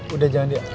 udah jangan ya